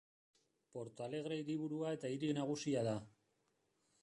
Porto Alegre hiriburua eta hiri nagusia da.